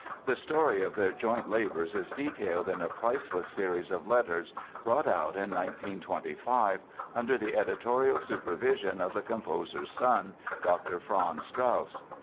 The story of their joint labors is detailed in a priceless series of letters, brought out in 1925 under the editorial supervision of the composer's son, Dr. Franz Strauss.